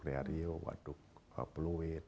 di riau waduk ke bluit